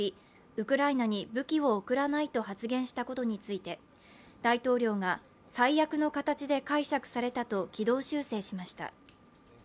ウクライナに武器を送らないと発言したことについて大統領が、最悪の形で解釈されたと軌道修正しました。